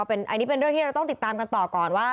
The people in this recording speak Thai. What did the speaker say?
อันนี้เป็นเรื่องที่เราต้องติดตามกันต่อก่อนว่า